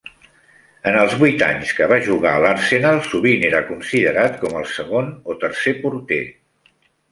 En els vuit anys que va jugar a l'Arsenal, sovint era considerat com el segon o tercer porter.